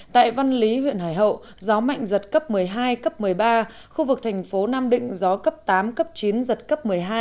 tại văn lý huyện hải hậu gió mạnh giật cấp một mươi hai cấp một mươi ba khu vực thành phố nam định gió cấp tám cấp chín giật cấp một mươi hai